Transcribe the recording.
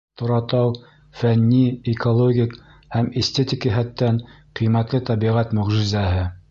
Торатау — фәнни, экологик һәм эстетик йәһәттән ҡиммәтле тәбиғәт мөғжизәһе.